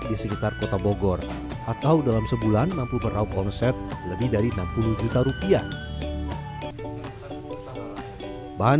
di sekitar kota bogor atau dalam sebulan mampu berhubung set lebih dari enam puluh juta rupiah bahan